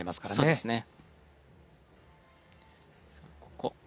そうですね。